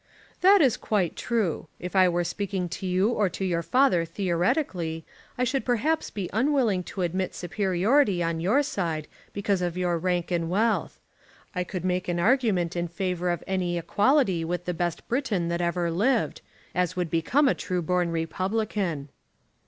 "That is quite true. If I were speaking to you or to your father theoretically I should perhaps be unwilling to admit superiority on your side because of your rank and wealth. I could make an argument in favour of any equality with the best Briton that ever lived, as would become a true born Republican."